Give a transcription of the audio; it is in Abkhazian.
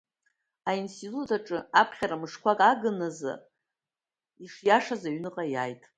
Аинститут аҿы аԥхьара мышқәак агын азы ишиашаз аҩныҟа иааит.